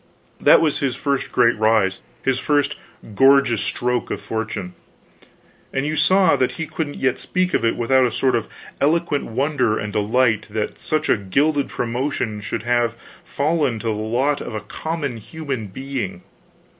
That was his first great rise, his first gorgeous stroke of fortune; and you saw that he couldn't yet speak of it without a sort of eloquent wonder and delight that such a gilded promotion should have fallen to the lot of a common human being.